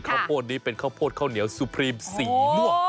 ข้าวโพดนี้เป็นข้าวโพดข้าวเหนียวสุพรีมสีม่วง